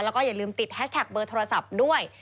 แล้วก็อย่าลืมติดแฮชแท็กเบอร์โทรศัพท์ด้วย